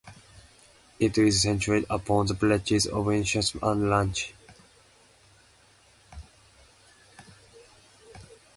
It is centred upon the villages of Ennistymon and Lahinch.